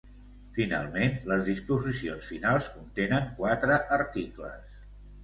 Finalment, les disposicions finals contenen quatre articles.